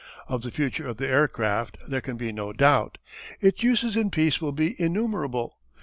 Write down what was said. Of the future of the aircraft there can be no doubt. Its uses in peace will be innumerable.